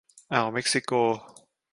อ่าวเม็กซิโก